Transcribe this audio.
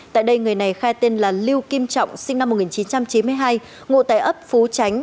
tại đây người này khai tên là lưu kim trọng sinh năm một nghìn chín trăm chín mươi hai ngụ tại ấp phú tránh